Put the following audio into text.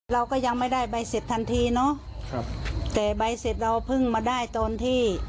เราก็ยังไม่ได้ใบเสร็จทันทีเนอะครับแต่ใบเสร็จเราเพิ่งมาได้ตอนที่